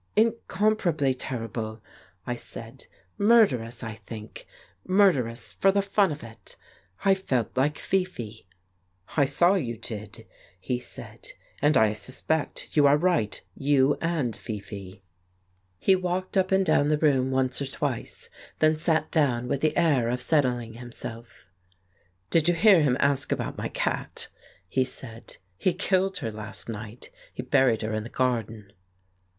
"Incomparably terrible," I said. "Murderous, I think : murderous for the fun of it. I felt like Fifi." "I saw you did," he said; "and I suspect you are right, you and Fifi. ..." 152 The Case of Frank Hampden He walked up and down the room once or twice, then sat down with the air of settling himself. "Did you hear him ask about my cat? " he said. "He killed her last night; he buried her in the garden."